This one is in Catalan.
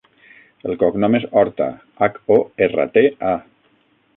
El cognom és Horta: hac, o, erra, te, a.